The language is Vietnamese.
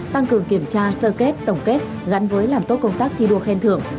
tăng cường kiểm tra sơ kết tổng kết gắn với làm tốt công tác thi đua khen thưởng